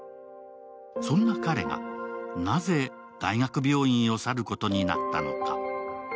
そんな彼がなぜ大学病院を去ることになったのか。